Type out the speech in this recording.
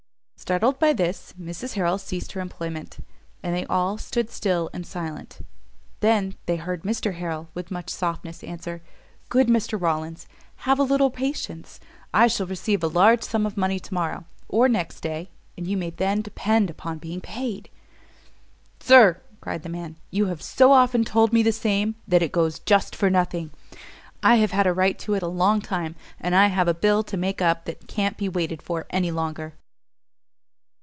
Startled by this, Mrs Harrel ceased her employment, and they all stood still and silent. They then heard Mr Harrel with much softness answer, "Good Mr Rawlins, have a little patience; I shall receive a large sum of money to morrow, or next day, and you may then depend upon being paid." "Sir," cried the man, "you have so often told me the same, that it goes just for nothing: I have had a right to it a long time, and I have a bill to make up that can't be waited for any longer."